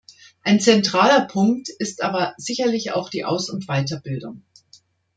Ein zentraler Punkt ist aber sicherlich auch die Aus- und Weiterbildung.